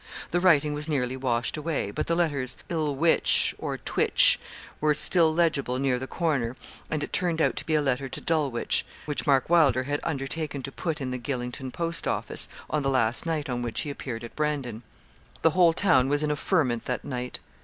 The writing was nearly washed away, but the letters 'lwich,' or 'twich,' were still legible near the corner, and it turned out to be a letter to Dulwich, which Mark Wylder had undertaken to put in the Gylingden post office, on the last night on which he appeared at Brandon. The whole town was in a ferment that night.